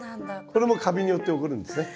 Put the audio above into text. これもカビによって起こるんですね。